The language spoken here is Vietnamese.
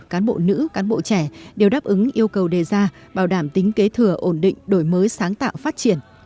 cán bộ nữ cán bộ trẻ đều đáp ứng yêu cầu đề ra bảo đảm tính kế thừa ổn định đổi mới sáng tạo phát triển